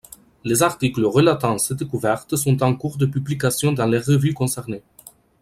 Les articles relatant ces découvertes sont en cours de publication dans les revues concernées.